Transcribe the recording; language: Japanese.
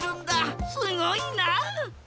すごいな！